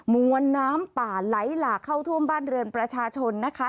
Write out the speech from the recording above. มวลน้ำป่าไหลหลากเข้าท่วมบ้านเรือนประชาชนนะคะ